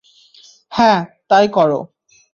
হ্যাঁ, তাই করো।